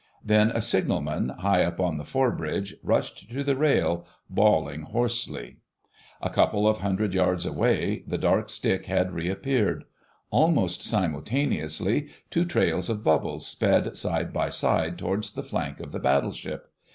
Then a signalman, high up on the forebridge, rushed to the rail, bawling hoarsely. A couple of hundred yards away the dark stick had reappeared. Almost simultaneously two trails of bubbles sped side by side towards the flank of the Battleship.